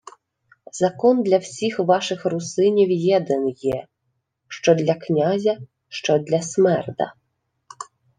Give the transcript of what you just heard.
— Закон для всіх ваших русинів єдин є: що для князя, що для смерда.